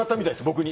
僕に。